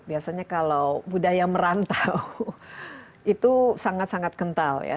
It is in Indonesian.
biasanya kalau budaya merantau itu sangat sangat kental ya